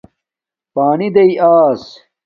پانی دیݵ آیس